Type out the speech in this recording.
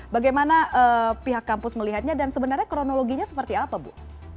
bagaimana pihak kampus melihatnya dan sebenarnya kronologinya seperti apa bu